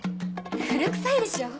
古くさいでしょ？